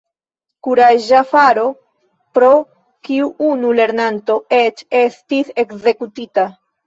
Kuraĝa faro, pro kiu unu lernanto eĉ estis ekzekutita.